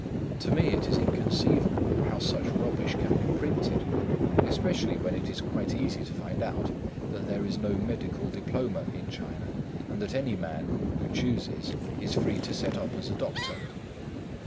To me it is inconceivable how such rubbish can be printed, especially when it is quite easy to find out that there is no medical diploma in China, and that any man who chooses is free to set up as a doctor.